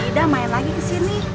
ida main lagi ke sini